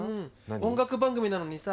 音楽番組なのにさ